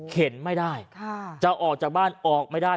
ไม่ได้จะออกจากบ้านออกไม่ได้